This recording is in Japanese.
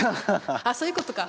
あっそういうことか。